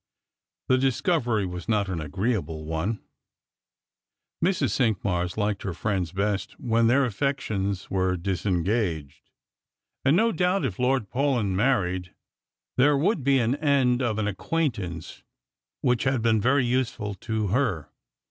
The discovery was not an agreeable one. Mrs. Cinqmars liked her friends best when their affections were disengaged ; and no doubt, if Lord Paulyn aiarried, there would be an end of an acquaintance which had been very useful to her.